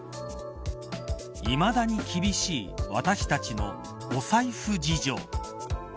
いまだに厳しい私たちのお財布事情。